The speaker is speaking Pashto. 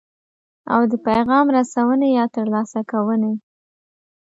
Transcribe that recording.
او د پیغام رسونې یا ترلاسه کوونې.